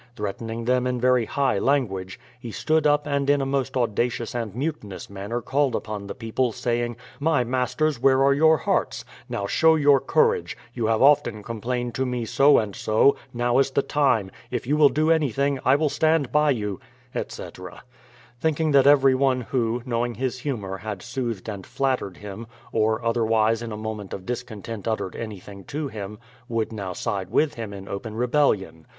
Threatening them in very high language, he stood up and in a most audacious and mutinous manner called upon the people, saying, — My masters, where are your hearts ? Now show your courage ; you have often complained to me so and so ; now is the time; if you will do anything, I will stand by you, etc. Thinking that everyone who, knowing his humour, had soothed and flattered him, or otherwise in a moment of discontent uttered anything to him, would now side with him in open rebellion.